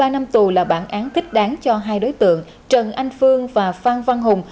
ba năm tù là bản án thích đáng cho hai đối tượng trần anh phương và phan văn hùng